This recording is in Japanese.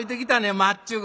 まっちゅぐ。